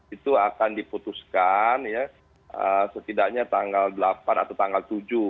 itu akan diputuskan ya setidaknya tanggal delapan atau tanggal tujuh